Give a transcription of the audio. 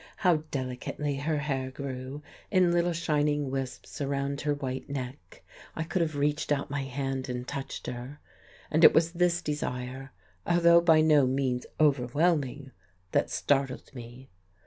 How delicately her hair grew, in little, shining wisps, around her white neck! I could have reached out my hand and touched her. And it was this desire, although by no means overwhelming, that startled me.